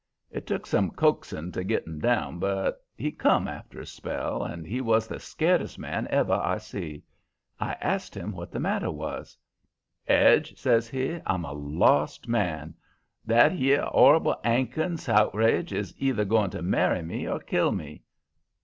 "It took some coaxing to git him down, but he come after a spell, and he was the scaredest man ever I see. I asked him what the matter was. "''Edge,' says he, 'I'm a lost man. That 'ere 'orrible 'Ankins houtrage is either going to marry me or kill me.